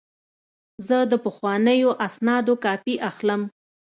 زه د پخوانیو اسنادو کاپي اخلم.